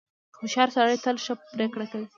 • هوښیار سړی تل ښه پرېکړه کوي.